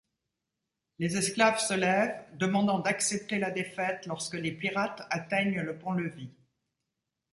Les esclaves se lèvent, demandant d'accepter la défaite lorsque les pirates atteignent le pont-levis.